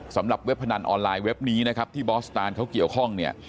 เว็บพนันออนไลน์เว็บนี้นะครับที่บอสตานเขาเกี่ยวข้องเนี่ย